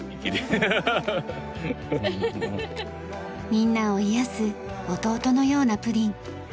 みんなを癒やす弟のようなプリン。